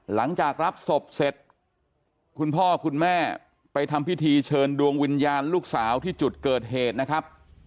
หลังจากรับศพเสร็จคุณพ่อคุณแม่ไปทำพิธีเชิญดวงวิญญาณลูกสาวที่จุดเกิดเหตุนะครับ